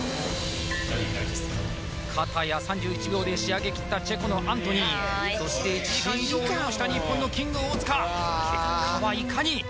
かたや３１秒で仕上げきったチェコのアントニーそして１時間以上要した日本のキング大塚結果はいかに？